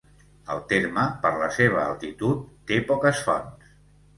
El terme, per la seva altitud, té poques fonts.